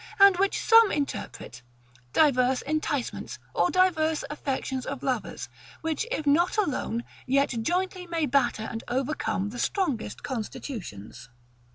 and which some interpret, diverse enticements, or diverse affections of lovers, which if not alone, yet jointly may batter and overcome the strongest constitutions.